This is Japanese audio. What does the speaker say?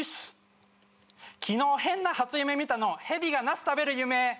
「昨日変な初夢みたのへびが茄子食べる夢」